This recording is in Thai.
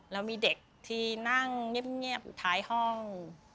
แล้วมีเด็กที่นั่งเงียบอยู่ท้ายห้อง